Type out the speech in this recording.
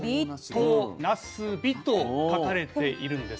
唐なすびと書かれているんです。